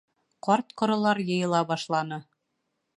Ҡарт-ҡоролар йыйыла башланы.